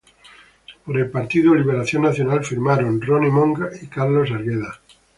Por el Partido Liberación Nacional firmaron Ronny Monge y Carlos Arguedas.